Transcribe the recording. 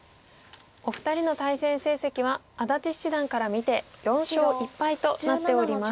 お二人の対戦成績は安達七段から見て４勝１敗となっております。